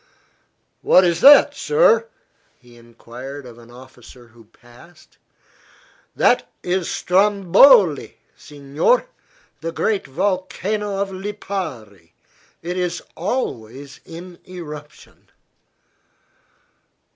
"What is that, sir?" he enquired of an officer who passed. "That is Stromboli, signor, the great volcano of Lipari. It is always in eruption."